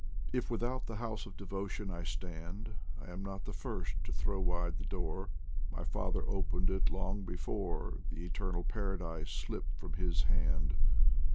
If without the house of devotion I stand, I am not the first to throw wide the door; My father opened it long before, The eternal Paradise slipped from his hand.